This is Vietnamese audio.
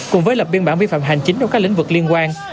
cùng với lập biên bản vi phạm hành chính trong các lĩnh vực liên quan